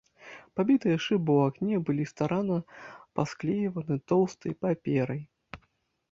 Пабітыя шыбы ў акне былі старанна пасклейваны тоўстай паперай.